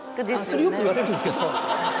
それよく言われるんですけど。